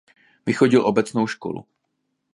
Vychodil obecnou školu.